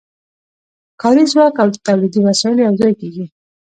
کاري ځواک او تولیدي وسایل یوځای کېږي